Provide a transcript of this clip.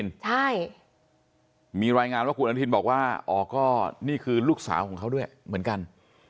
ของคุณอนุทินมีรายงานว่าคุณอนุทินบอกว่านี่คือลูกสาวของเขาด้วยเหมือนกัน